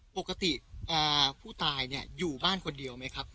ปกติผู้ตายอยู่บ้านคนเดียวไหมครับ